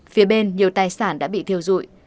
phía bên nhiều tài sản đã bị thiêu rụi